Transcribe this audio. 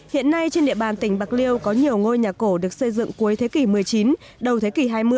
hiện nay trên địa bàn tỉnh bạc liêu có nhiều ngôi nhà cổ được xây dựng cuối thế kỷ một mươi chín đầu thế kỷ hai mươi